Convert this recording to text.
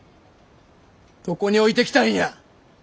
どこに置いてきたんや！